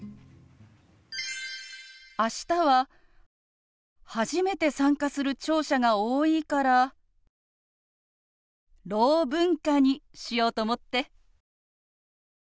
明日は初めて参加する聴者が多いから「ろう文化」にしようと思って。